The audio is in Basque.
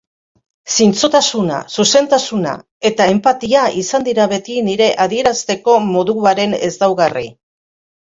Zintzotasuna, zuzentasuna eta enpatia izan dira beti nire adierazteko moduaren ezaugarri.